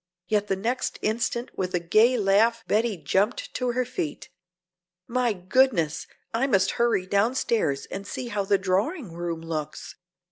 Yet the next instant with a gay laugh Betty jumped to her feet. "My goodness, I must hurry downstairs and see how the drawing room looks!"